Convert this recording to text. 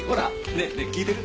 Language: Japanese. ねえねえ聞いてる？